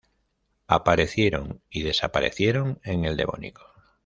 Aparecieron y desaparecieron en el Devónico.